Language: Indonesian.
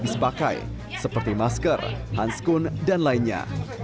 seperti masker hanskun dan lainnya